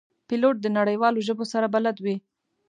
پیلوټ د نړیوالو ژبو سره بلد وي.